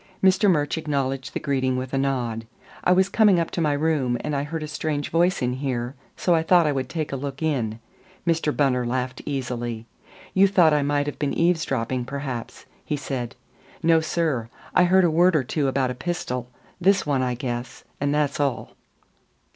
Mr. Murch acknowledged the greeting with a nod. "I was coming up to my room, and I heard a strange voice in here, so I thought I would take a look in." Mr. Bunner laughed easily. "You thought I might have been eavesdropping, perhaps," he said. "No, sir; I heard a word or two about a pistol this one, I guess and that's all."